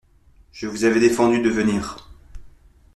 Je vous avais défendu de venir !